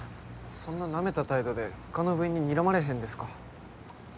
そんななめた態度で他の部員ににらまれへんですか？